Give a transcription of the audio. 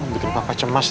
bikin papa cemas deh